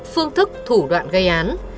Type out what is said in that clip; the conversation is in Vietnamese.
phương thức thủ đoạn gây án